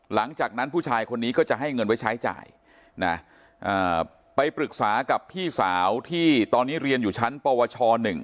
หลังจากนั้นผู้ชายคนนี้ก็จะให้เงินไว้ใช้จ่ายนะไปปรึกษากับพี่สาวที่ตอนนี้เรียนอยู่ชั้นปวช๑